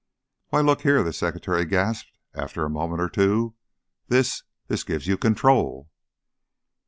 "Why look here!" the secretary gasped, after a moment or two. "This this gives you control!"